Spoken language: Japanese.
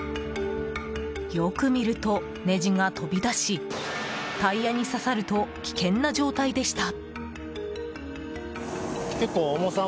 よく見ると、ネジが飛び出しタイヤに刺さると危険な状態でした。